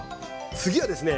次はですね